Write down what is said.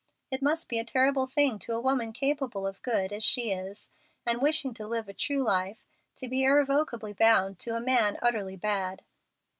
It must be a terrible thing to a woman capable of good (as she is), and wishing to live a true life, to be irrevocably bound to a man utterly bad."